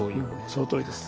そのとおりです。